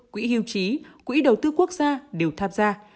quỹ hưu trí quỹ đầu tư quốc gia đều tham gia